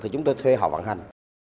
thì chúng tôi thuê họ vận hành